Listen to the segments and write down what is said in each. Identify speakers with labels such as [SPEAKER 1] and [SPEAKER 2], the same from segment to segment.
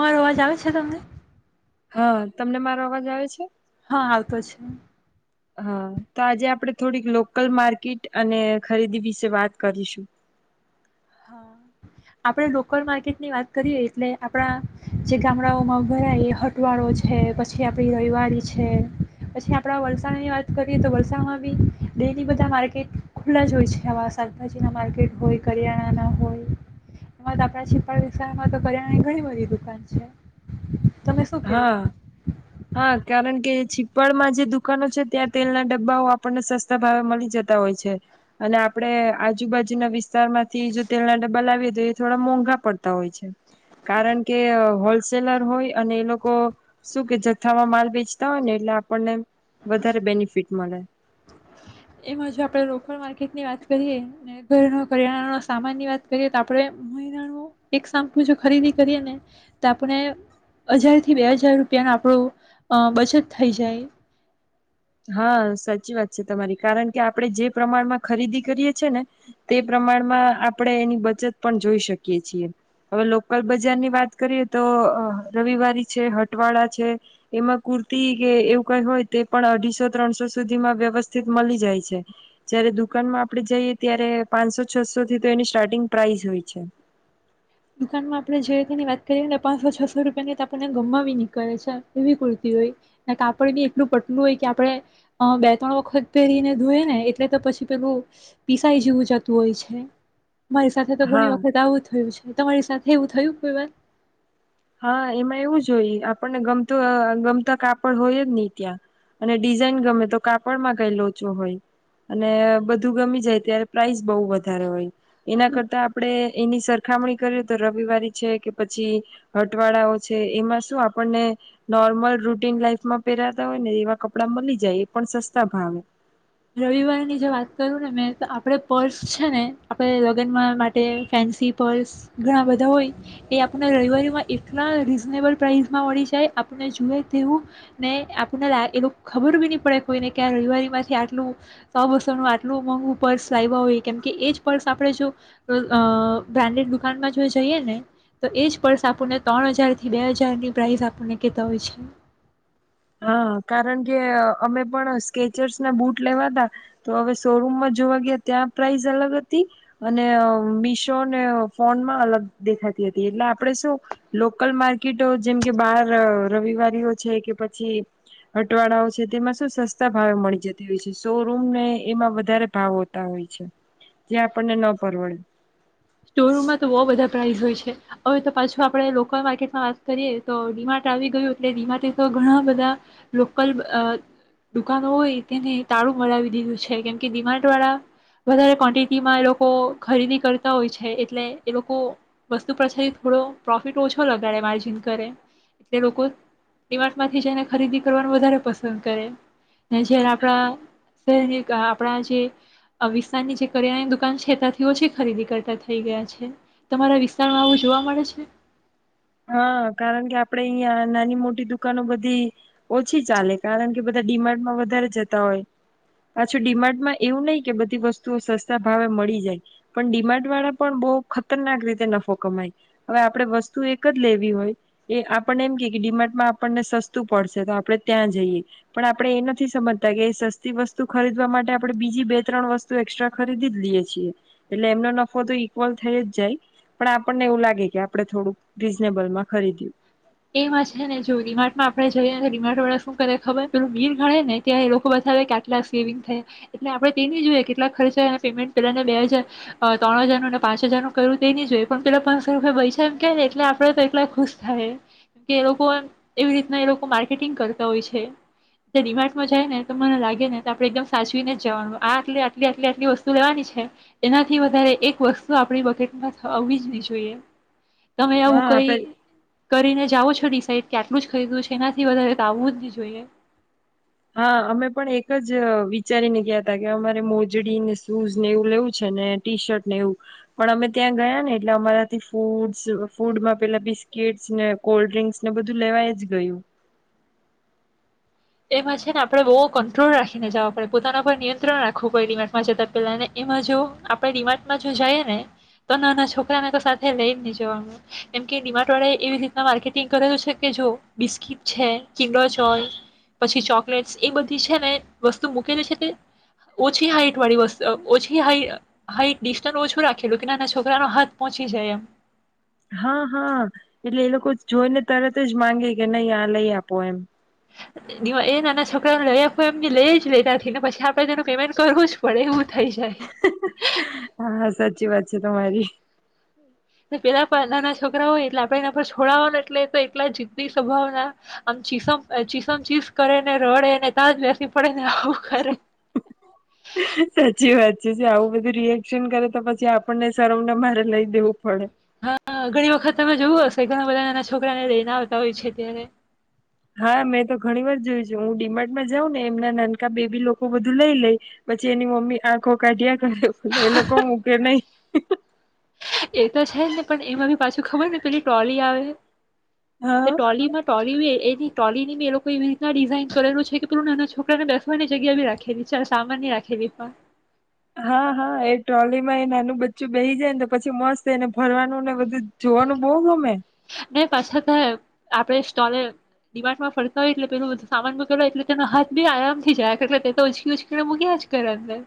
[SPEAKER 1] મારો અવાજ આવે છે તમને
[SPEAKER 2] હા તમને મારો અવાજ આવે છે
[SPEAKER 1] હા આવતો છે
[SPEAKER 2] હા તો આજે આપણે થોડીક લોકલ માર્કેટ અને ખરીદી વિશે વાત કરીશું
[SPEAKER 1] હા આપડ લોકલ માર્કેટની વાત કરીએ એટલે આપણા જે ગામડાઓમાં ભરાય હટવાળો છે પછી આપડી રવિવાળ છે પછી આપણા વલસાડની વાત કરીએ તો વલસાડમાં ભી ડેલી બધા માર્કેટ ખુલ્લા જ હોય છે આવા શાકભાજી ના માર્કેટ હોય કરિયાણા [unintelligible] કરિયાણાની ઘણી બધી દુકાન છે તમે શું
[SPEAKER 2] હા
[SPEAKER 1] કેવું.
[SPEAKER 2] હા કારણ કે છીપળમાં જે દુકાનો છે ત્યાં તેલના ડબ્બાઓ આપણને સસ્તા ભાવે મળી જતા હોય છે અને આપણે આજુબાજુના વિસ્તારમાંથી જો તેલના ડબ્બા લાવીએ તો એ થોડા મોંઘા પડતા હોય છે કારણ કે હોલસેલર હોય અને એ લોકો શું કે. થામાં માલ વેચતા હોય ને એટલે આપણને. વધારે બેનિફિટ. મન. રે
[SPEAKER 1] એમાં જો આપણે રોકડ માર્કેટની વાત કરીએ ઘરનો કરિયાણા સામાન ની વાત કરીએ તો આપણે મહિનાનો એક શમ્પુ જો ખરીદી કરીએ ને તો આપણે હજાર થી બે હજાર રૂપિયા ન. આપણું બચત થઈ જાય.
[SPEAKER 2] હા સાચી વાત છે. તમારી કારણ કે આપણેે જે પ્રમાણમાં ખરીદી કરીએ છે. ને તે પ્રમાણમાં આપણેે એની બચત પણ જોઈ શકીએ છીએ હવે લોકલ બજાર ની વાત કરીએ તો રવિવારી છે. હટવાળા છે. એમાં કુર્તી કે એવું કઈ હોય તે પણ અઢી. સો ત્રણસો સુધીમાં વ્યવસ્થિત મળી જાય છે જયારે દુકાનમાં આપે જઈએ ત્યારે પાંચસો છસો થી તો એની સ્ટાર્ટિંગ પ્રાઈ શહોય છે.
[SPEAKER 1] દુકાનમાં આપણે જે રીતેની વાત કરીએ ને પાંચસો છસો રૂપિયાની આપણને ગમવી નીકળે છે એવી કુર્તી હોય ને કાપડ બી એટલું પટલું હોય કે આપણે બે ત્રણ વખત પહેરીને ધોય ને એટલે તો પછી પેલું પીસાઈ જેવું જતું હોય છે. મારી સાથે તો ઘણી
[SPEAKER 2] હા
[SPEAKER 1] વખત આવું થયું છે. તમારી સાથે એવું થયું કોઈ વાર
[SPEAKER 2] હા એમાં એવું જ હોય આપણને ગમતું ગમતા કાપડ હોય જ નહી ત્યાં અને ડિઝાઇન ગમે તો કાપડમાં કઈ લોચો હોય અને બધું ગમી જાય ત્યારે પ્રાઇસ બહુ વધારે હોય. એના કરતા આપડે. એની સરખામણી કરીએ તો રવિવારી છે કે પછી? હટવાળાઓ છે એમાં શું આપણને નોર્મલ રૂટીન લાઈફમાં પહેરાતા હોય ને એવા કપડા મળી જાય એ પણ સસ્તા ભાવે.
[SPEAKER 1] રવિવારની જો વાત કરું ને મેં તો આપડે પર્સ છે. ને આપણે લગ્ન માટે. ફેન્સી પર્સ ઘણા બધા. હો એ આપ રવિમાં એટલા રીઝનેબલ પ્રઇસમાં મળી જાય આપને જોુએ તેવું ને આપને એ ખબર બી નહી પડે હોય ને કે રવિવારી માંથી. ટલું સ બસોનું આટલું મોંઘું પર્સ લાવવા હોય કેમકે એજ પર્સ આપણે જો બ્રાન્ડેડ દુકાનમાં જો જઈએ ને તો એજ પર્સ આપણને ત્રણ હજાર થી બે હજારની પ્રઇસ આપણને કેતા હોય છે.
[SPEAKER 2] હા કારણ કે અમે પણ સ્કેચર્સ ના બુટ લેવા ત તો હવે શોરૂમમાં જોવા ગયા ત્યાં પ્રાઇસ અલગ હતી. અને મીશો ને ફોનમાં અલગ દેખાતી હતી. એટલે આપડે શું લોકલ માર્કેટો જેમ કે બાર રવિવારીઓ છે કે. પછી હટવાડાઓ છે તેમાં શું સસ્તા ભાવે મળી જતી હોય છે શોરૂૂમ ને એમાં વધારે ભાવ હોતા હોય છે જે્યા આપણને ન પરવડે.
[SPEAKER 1] સ્ટોર રૂમમાં તો બહુ બધા પ્રાઇસ હોય છે હવે તો પાછું આપડે લોકલ માર્કેટમાં વાત કરીએ તો ડીમાર્ટ આવી ગયું. એટલે ડીમાર્ટે તો ઘણા બધા લોકલ દુકાનો હોય તેને તાળું મવી દીધું છે. કેમકે ડીમાર્ટ વાળા વધારે ક્વન્ટિટીમાં એ લોકો ખરીદી કરતા. હોય છે એટલે એ લોકો વસ્તુ પાછાથી થોડો પ્રોફિટ ઓછો લગાડે માર્જિન કરે એટલે લોકોમામાંથી જઈને ખરીદી કરવાનું વધારે પસંદ કરે જ આપણા શહેર આપણા જે વિસ્તારની જે કરિયાણાની દુકાન છે તથી ઓછી ખરીદી. ટાટાથઈ ગયા છે. તમારા વિસ્તારમાં આવું જોવા મળે છે.
[SPEAKER 2] હા કારણ કે આપણેે અહીિયાયા નાની મોટી દુકાનો બધી ઓછી ચાલે કારણ કે બધા ડિમાન્ડમાં વધારે જતા હોય પાછું ડિમાર્ડમાં એવું નહી કે બધી વસ્તુઓ સસ્તા ભાવે મળી જાય પણ ડિમાર્ડ વાળા પણ બહુ ખતરનાક રીતે નફો કમાય હવે આપણે વસ્તુ એક. જ લેવી હોય એ આપણને એમ ક ડિમાર્ટમાં આપણને સસ્તું પડશે તો આપણે ત્યાં જઈએ પણ આપણે એ નથી સમજતા કે સસ્તી વસ્તુ ખરીદવા માટે આપડણે બીજી બે ત્રણ વસ્તુ એક્સ્ટ્રા ખરીદી જ લઈએ છી. એટલે એમનો નફો તો ઈક્વલ થઈ જ જાય પણ આપણને એવું લાગે કે આપણે થોડુંક. રીઝનેબલમાં ખરીદ્યું
[SPEAKER 1] એમાં છે ને જોડી ડીમાટઆપણેે. જઈ અને રિમાન્ડ વાળા શું કરે ખબર પેલું બિલ ગણે ને ત્યાં એ લોકો બતાવે કે આટલાક સેવિંગ થાય એટલે આપણે તે નહીં જોઈએ કેટલા ખર્ચ હો અને પેમેન્ટ? પેલાને બે હજાર. ત્રણ હજાર. ન પાચ હજારનું. કરું તે એ નહી જ હોય પણ પેલા પાંચસો રૂપિયા પૈસાા. એમ કહે ને એટલે આપણે તો એટલા ખુશ થાય કેમ કે એ લોકો એવી રીતના એ. લોકો માર્કેટિંગ કરતા હોય છે ડિમાર્ડમાં જાય ને તો મને લાગે ને તો આપણે એકદમ સાચવીને જ જવાનું આટલી આટલી આટલી આટલી વસ્તુ લેવાની છે. એનાથી વધારે એક વસ્તુ આપણી બકેટમાં થવી જ જોઈએ. તમે
[SPEAKER 2] હા
[SPEAKER 1] આવું કઈ
[SPEAKER 2] આપણે
[SPEAKER 1] કરીને. જાાવો છો ડિસાઇડ કે આટલું જ ખરીદું છે એનાથી વધારે આવ આવું જ નહી જોઈએ.
[SPEAKER 2] હા અમે પણ એક જ વિચારીને ગયા ત કે અમારે મોજડી ને શૂઝ ને એવું લેવું છે ને ટી શર્ટ ને એવું પણ અમે ત્યાં ગયા ને એટલે અમારાથી ફૂડસ ફૂડમાં પેલા બિસ્કીિટસ ને કોલ્ડ્રિંક્સ ને બધું લેવાય જ ગયું.
[SPEAKER 1] એમાં છે ને આપણે બહુ કંટ્રોલ રાખીને જવા પડે પોતાના પર નિયંત્રણ રાખવું પડેિમાર્ટમાં જતાં પેલાને એમાં જો આપણે ડીમાર્ટમાં જો જઈએ ને તોના છોકરાને તો સાથે લઈ નને જવાનું એમ કે ડીમાર્ટ વાળા એવી રીતના માર્કેટિંગ કરેલું છે કે જો બિસ્કીિટ છે કિંગલોચ હોય. પછી ચોકલેટ્સ એ બધી છે ને વસ્તુ મૂકેલી છે તે ઓછી હાઈટ વાળી વસ્તુ ઓછી હ હાઈટ ડિશને ઓછું રાખેલું કે નાના છોકરાનો હાથ પહોંચી જાય એમ.
[SPEAKER 2] હા હા એટલે એ લોકો જોઈને તરત જ માંગે કે નહી આ લઈ આપો એમ.
[SPEAKER 1] એ નાના છોકરાને લઈ આપ એમને લઈ જ લેતા નથી ને પછી આપડે તેનું પેમેન્ટ કરવું જ પડે એવું થઈ જાય.
[SPEAKER 2] હા હા સાચી વાત છે. છે તમારી.
[SPEAKER 1] પેલા નાના છોકરા હોય એટલે આપડે એના પર છોડવાને એટલે તો એટલા જીદી સ્વભાવના આમ ચીસમ ચીસમ ચીસ કરે ને રડે ને ત્યાં જ બેસી પડે. આવું કરે.
[SPEAKER 2] પછી જે આવું બધું રિએક્શન કરે તો પછી આપણને સરઉને મારે લઈ દેવું પડે
[SPEAKER 1] હા ઘણી વખત તમે જોવું હશે. ઘણા બધા નાના છોકરાને લઈને આવતા હોય છે. ત્યારે?
[SPEAKER 2] હા મેં તો ઘણી વાર જોયું છે. હું ડીમાટમાં જાઉં ને એમના નાનકા બેબી લોકો બધું લઈ લઈ પછી એની મમ્મી આંખો કાઢ એ લોકો મૂ કે નહી
[SPEAKER 1] એ તો છે જ ને પણ એમાં બી પાછું ખબર ને પેલી ટ્રોલી આવે.
[SPEAKER 2] હા
[SPEAKER 1] ટોલીમાં ટોલી એ ટોલી ની એ લોકો એવી રીત ડિઝઇન કરેલું છે કે પું નાના છોકરા ને બેઠવા ની જગ્યા બી રાખે દ છે સામાનની રાખે દ પણ.
[SPEAKER 2] હા હા એ ટ્રોલી માં એ નાનું બચ્ચું બેહી જાય ને તો પછી મસ્ત એને ભરવાનું ને બધું જોવાનું બહઉ ગમે.
[SPEAKER 1] ન પાછા તો આપડે સ્ટોલે ડિમાન્ડમાં ફરકય એટલે પેલું બું સામાન મકેય એટલે તેનો હાથ બી આરામ થથી જાયટલે તે તો ઉચકી ઉચકીને મૂક્યા જ ઘરે અંદર.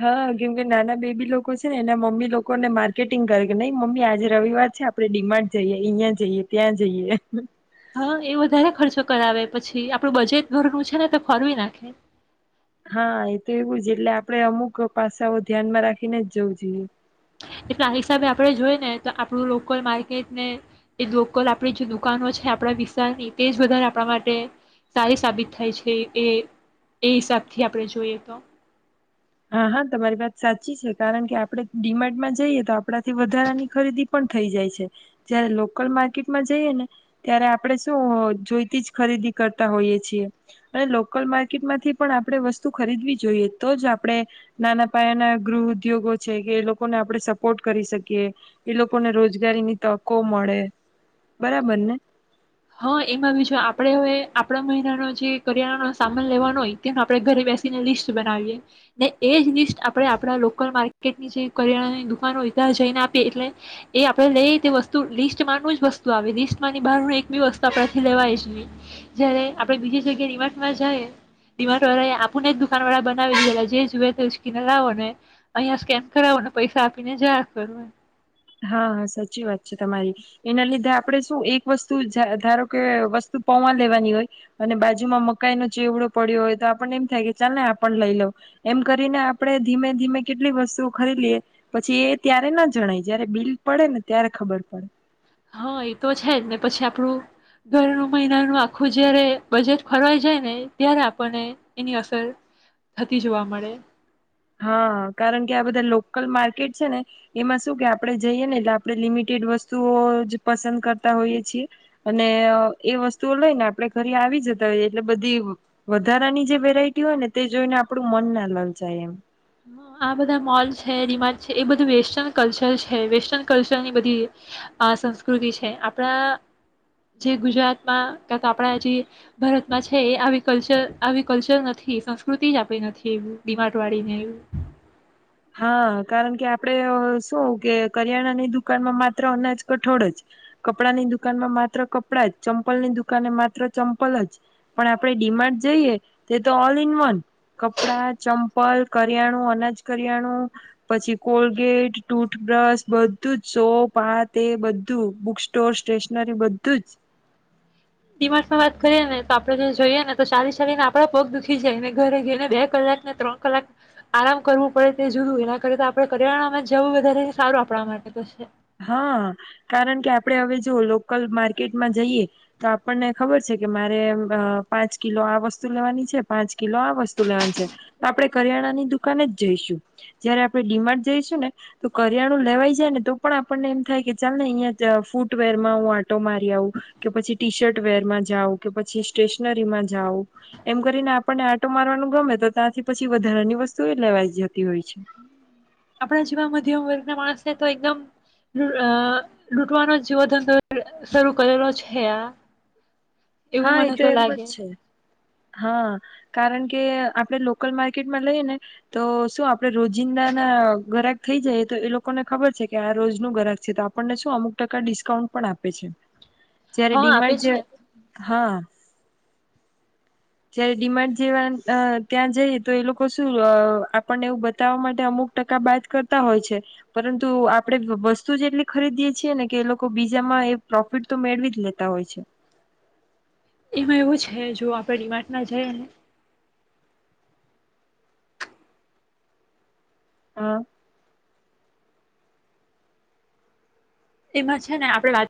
[SPEAKER 2] હા કેમ કે નાના બેબી લોકો છે ને એના મમ્મી લોકોને માર્કેટિંગ કરે કે નઈ મમ્મી આજે રવિવાર છે આપડે ડિમાન્ડ જઈએ અહિયાં જઈએ ત્યાં જઈએ.
[SPEAKER 1] હા એ વધારે ખર્ચો કરાવે પછી આપણું બજેટ ભરનું છે ને તો ફરવી નાખે.
[SPEAKER 2] હા એ તો એવું જ એટલે આપડણે અમુક પાસાઓ ધ્યાનમાં રાખીને જ જવું જોઈએ.
[SPEAKER 1] એટલે આ હિસાબે આપણે જોઈ ને તો આપણું લોકલ માર્કેટને એ લોકલ આપણી જે દુકાનો છે આપણા વિસ્તારની તે જ વધારે આપણા માટે, સારી સાબિત થાય છે એ એ હિસાબથી આપણે જોઈએ તો.
[SPEAKER 2] હા હા તમારી વાત સાચી છે કારણ કે આપણે ડિમાન્ડમાં જઈએ તો આપણાથી વધારાની ખરીદી પણ થઈ જાય છે, જયારે લોકલ માર્કેટમાં જઈએ ને ત્યારે આપણે શું જોઈતી જ ખરીદી કરતા હોઈય છીએ, અને લોકલ માર્કેટમાંથી પણ આપણે વસ્તુ ખરીદવી જોઈએ તો જ આપણે, નાના પાયાના ગૃહ ઉદ્યોગો છે કે એ લોકોને આપણેે સપોર્ટ કરી શકીએ, એ લોકોને રોજગારીની તકો મળે, બરાબર ને.
[SPEAKER 1] હા એમાં બીજ આપણેે હવે આપણા મહિનાનો જે કરિયાણાનો સામાન લેવાનો હોય તેનો આપણેે ઘરે બેસીને લિસ્ટ બનાવીએ, ને એ જ લિસ્ટ આપણે આપણા લોકલ માર્કેટની જે કરિયાણાની દુકાનો હોય ત્યાં જઈને આપીએ એટલે, એ આપણે લઈ તે વસ્તુ લિસ્ટમાંનું જ વસ્તુ આવે લિસ્ટ ની બહારનું ી વસ્તુ આપણાથી લેવાય જએ, જયારે આપે બીજી જગ્યાએ રિમાર્ટમાં જઈએ રિમાર્ટ વાળા આપણેને દુકાન વાળા બનાવી દીલા જે જુએ તે સ્કીન લાવો ને, અહિયાયા સ્કેન કરાવોને પૈસા આપીને જયા કરું.
[SPEAKER 2] હા હા સાચી વાત છે તમારી, એના લીધે આપડણે શું એક વસ્તુ ધારો કે વસ્તુ પૌવા લેવાની હોય, અને બાજુમાં મકાઈ ન ચેવડો પડ્યો હોય તો આપણને એમ થાય કે ચાલ ને આપ લઈ, લવ એમ કરીને આપણે ધીમે ધીમે કેટલી વસ્તુ ખરીદીએ, પછી એ ત્યારે ના જણાય. જયારે બિલ પડે ને ત્યારે ખબર પડે.
[SPEAKER 1] હા એ તો છે જ ને પછી આપણું ઘરનું મહિનાનું આખું જયારે બજેટ ફરવાઈ જાય ને ત્યારે આપણને એની અસર થતી જોવા મળે.
[SPEAKER 2] હા કારણ કે આ બધા લોકલ માર્કેટ છે ને એમાં શું કે આપણે જઈએ ને એટલે, આપણે લિમિટેડ વસ્તુઓ જ પસંદ કરતા હોઈએ છીએ, અને એ વસ્તુઓ લઈને આપણે ઘરે આવી જતા હોઈએ એટલે બધી વધારાની જે વેરાઈટી હોય ને તે જોઈને આપડું મન ના લલ જાય એમ.
[SPEAKER 1] આ બધા મોલ છે ડીમાટ છે એ બધું વેસ્ટન કલ્ચર છે વેસ્ટન કલ્ચરની બધી, સંસ્કૃતિ છે આપણા જે ગુજરાતમાં ક આપણા, જે ભારતમાં છે એ આવી કલ્ચર આવી કલ્ચર નથી સંસ્કૃતિ જ આપણી નથી એું ડડીમાટ વાળીને એવી.
[SPEAKER 2] હા કારણ કે આપડે શું કે કરિયાણાની દુકાનમાં માત્ર અનાજ કઠોળ જ, કપડાની દુકાનમાં માત્ર કપડાં જ ચંપલની દુકાને માત્ર ચંપલ જ, પણ આપણે ડિમાન્ડ જઈએ તે તો ઓલ ઇન વન કપડા ચંપલ કરિયાણું અનાજ કરિયાણું, પછી કોલગેટ ટુથબ્રશ બધું જ સો પાત એ બધું બુક સ્ટોર સ્ટેશનરી બધું જ.
[SPEAKER 1] ીમાસમાં વાત કરીયએ ને તો આપડે જો જોઈએ ને તો સારી સલીને આપડા પગ દુખી જાયને ઘરે જઈને બે કલાક ને ત્રણ કલાક, આરામ કરવું પડે તે જોયું એના કર તો આપડણે કરિયાણામાં જવું વધારે સારું આપણા માટે તો છે.
[SPEAKER 2] હા, કારણ કે આપડે હવે જો લોકલ માર્કેટમાં જઈએ તો આપણને ખબર છે કે મારે પાંચ કિલો આ વસ્તુ લેવાની છે પાંચ કિલો આ વસ્તુ લેવાની છે, તો આપડણે કરિયાણાની દુકાાન જ જઈશું જયારે આપણે ડીમાર્ડ જઈશું, ને તો કરિયાણું લેવાઈ જાય ને તો પણ આપણને એમ થાય કે ચાલ ને અહીં ફૂટવેર માં હું આટો મારી આવં, કે પછી ટી શર્ટ વેર માં જાઉં કે પછી સ્ટેશનરી માં જાઉં, એમ કરીને આપણને આટો મારવાનું ગમે તો ત્યાંથી પછી વધારાની વસ્તુ એ લેવાઈ જતી હોય છે.
[SPEAKER 1] આપણા જીવા મધ્યમ વર્ગ ના માણસને તો એકદમ અ લૂટવાનો જીવો ધંધો શરૂ કરેલો છે આ. એવું
[SPEAKER 2] હા એ
[SPEAKER 1] મને
[SPEAKER 2] તો એમ જ
[SPEAKER 1] લાગે
[SPEAKER 2] છે. હા, કારણ કે આપણે લોકલ માર્કેટમાં લઈએ ને, તો શું આપણે રોજિંદા ના ગ્રાહક થઈ જઈ તો એ લોકોને ખબર છે કે આ રોજ ન ગ્રાક છે તો આપણને શું અમુક ટકા ડિસ્કાઉન્ટ પણ આપે છે. જયારે
[SPEAKER 1] હા આપે
[SPEAKER 2] ડિમાડ જે
[SPEAKER 1] છે
[SPEAKER 2] હા. જારે ડિમાન્ડ જેવા ત્યાં જઈએ તો એ લોકો શું આપણને એવું બતાવવા માટે અમુક ટકા બાદ કરતા હોય છે, પરંતુ આપણે વસ્તુ જ એટલી ખરીદીએ છીએ ને કે એ લોકો બીજામાં એ પ્રોફિટ તો મેળવી જ લેતા હોય છે.
[SPEAKER 1] એમાં એવું છે જો આપણે વાટ ના જઈ ને
[SPEAKER 2] હા.
[SPEAKER 1] એમાં છે ને આપડે વાત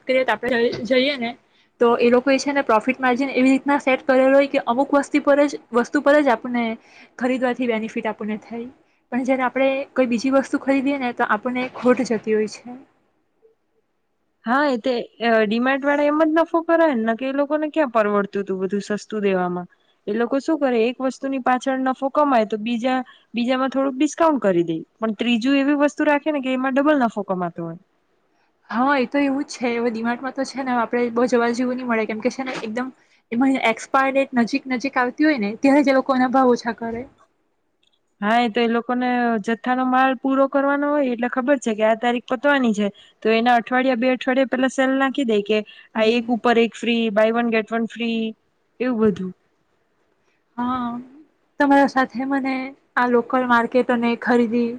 [SPEAKER 1] વાત કરીએ તો આપણે જઈએ ને, તો એ લોકો એ છે ને પ્રોફિટ માર્જિન એવી રીતના સેટ કરેલો હોય કે અમુક વસ્ પર જ વસ્તુ પર જ આપણને ખરીદવાથી બેનિફિટ આપણને થઈ, પણ જારે આપણે કોઈ બીજી વસ્તુ ખરીદીએ ને તો આપણને ખોટ જતી હોય છે.
[SPEAKER 2] હા એ ડિમાર્ડ વાળા એમ જ નફો કરાય ને કે એ લોકોને ક્યાં પરવડતું હતું બધું સસ્તું દેવામાં, એ લોકો શું કરે એક વસ્તુની પાછળ નફો કમાય તો બીજા, બીજામાં થોડુંક ડિસ્કાઉન્ટ કરી દે પણ ત્રીજું એવી વસ્તુ રાખે ને કે એમાં ડબલ નફો કમાતો હોય.
[SPEAKER 1] હા એ તો એવું જ છે એ દિમાગમાં તો છે ને આપે બહુ જવા જેવું નહી મળે કેમ કે છે ને એકદમ, એમાં એક્સપાયર ડેટ નજીક નજીક આવતી હોય ને ત્યારે જ લોકોના ભાવ ઓછા કરે.
[SPEAKER 2] હા એ તો એ લોકોને જથ્થાનો માલ પૂરો કરવાનો હોય એટલે ખબર છે કે આ તારીખ પતવાની છે, તો એના અઠવાડિયા બે અઠવાડિયાયે પેલા સેલ નાખી દે કે આ એક
[SPEAKER 1] હમ
[SPEAKER 2] ઉપર એક free buy one get one free એવું બધું.
[SPEAKER 1] હા, તમારા સાથે મને આ લોકલ માર્કેટ અને ખરીદી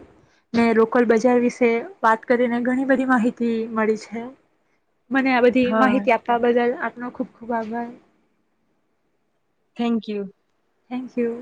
[SPEAKER 1] ને લોકલ બજાર વિશે વાત કરીને ઘણી બધી માહિતી મળી છે. મને આ બધી
[SPEAKER 2] હા
[SPEAKER 1] માહિતી આપવા બદલ ફરાનો ખૂબ ખૂબ આભાર.
[SPEAKER 2] Thank you.
[SPEAKER 1] Thank you.